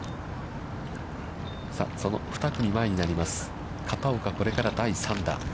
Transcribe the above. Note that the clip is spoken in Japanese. その２組前になります片岡、これから第３打。